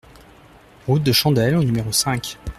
Route de Chandelle au numéro cinq